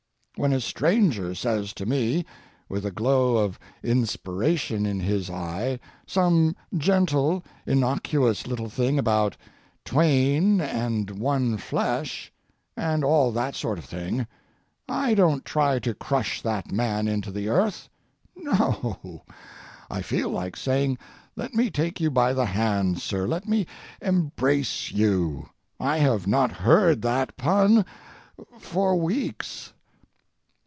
When a stranger says to me, with a glow of inspiration in his eye, some gentle, innocuous little thing about "Twain and one flesh," and all that sort of thing, I don't try to crush that man into the earth—no. I feel like saying: "Let me take you by the hand, sir; let me embrace you; I have not heard that pun for weeks."